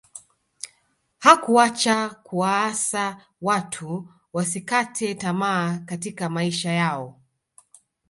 hakuacha kuwaasa watu wasikate tamaa katika maisha yao